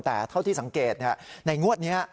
แต่เท่าที่สังเกตในงวดนี้